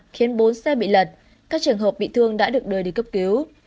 khiến bốn xe bị lật các trường hợp bị thương đã được đưa đi cấp cứu